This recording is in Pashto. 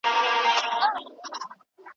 هغه څوک چي علم لري بريالی دی.